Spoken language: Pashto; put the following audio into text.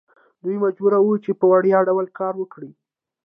دوی مجبور وو چې په وړیا ډول کار وکړي.